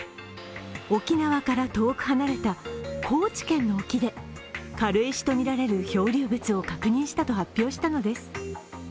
沖縄から遠く離れた高知県の沖で軽石とみられる漂流物を確認しと発表したのです。